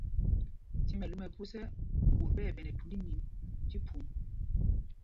Tí mɛlú mɛ phus ɛ, ɓot ɓɛ̂ ɓɛ nɛ thund ínîn tí phwoŋ.